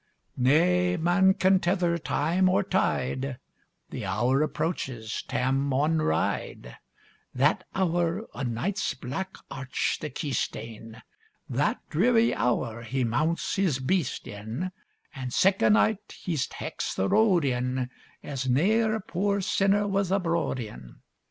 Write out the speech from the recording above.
Nae man can tether time or tide; The hour approaches Tam maun ride: That hour, o' night's black arch the keystane, That dreary hour he mounts his beast in: And sic a night he tak's the road in, As ne'er poor sinner was abroad in.